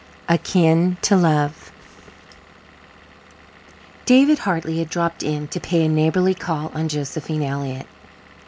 Akin To Love David Hartley had dropped in to pay a neighbourly call on Josephine Elliott.